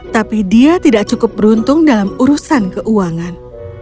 tapi dia tidak cukup beruntung dalam urusan keuangan